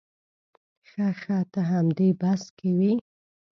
ښه ښه ته همدې بس کې وې.